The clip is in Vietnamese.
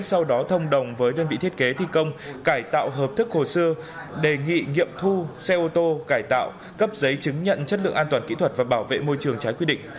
sau đó thông đồng với đơn vị thiết kế thi công cải tạo hợp thức hồ sơ đề nghị nghiệm thu xe ô tô cải tạo cấp giấy chứng nhận chất lượng an toàn kỹ thuật và bảo vệ môi trường trái quy định